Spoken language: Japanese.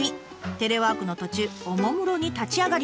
テレワークの途中おもむろに立ち上がりました。